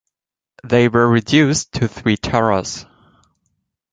They were reduced to three towers.